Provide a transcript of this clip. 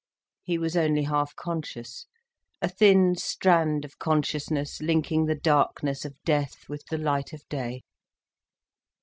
He was only half conscious—a thin strand of consciousness linking the darkness of death with the light of day.